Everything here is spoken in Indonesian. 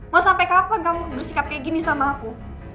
mau sampai kapan kamu bersikap kayak gini sama aku